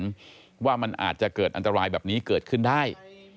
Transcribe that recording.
เพราะว่ามันอาจจะเกิดอันตรายแบบนี้เกิดขึ้นได้